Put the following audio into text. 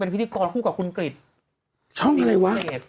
เป็นการกระตุ้นการไหลเวียนของเลือด